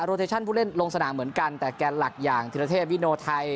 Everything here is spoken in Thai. เทชั่นผู้เล่นลงสนามเหมือนกันแต่แกนหลักอย่างธิรเทพวิโนไทย